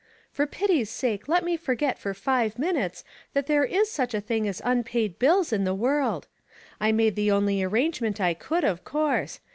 "For pity's sake let me forget for five minutes that there is such a thing as unpaid bills in the world. I made the only arrangement I could, of course.